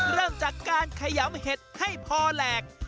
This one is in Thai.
เริ่มจากการขยำเห็ดให้พอแหลก